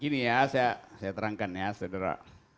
gini ya saya terangkan ya saudara